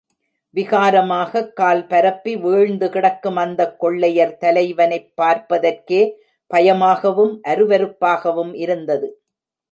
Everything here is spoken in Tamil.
விகாரமாகக் கால் பரப்பி வீழ்ந்து கிடக்கும் அந்தக் கொள்ளையர் தலைவனைப் பார்ப்பதற்கே பயமாகவும் அரு வருப்பாகவும் இருந்தது.